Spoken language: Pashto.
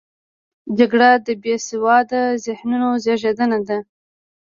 جګړه د بې سواده ذهنونو زیږنده ده